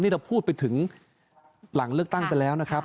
นี่เราพูดไปถึงหลังเลือกตั้งไปแล้วนะครับ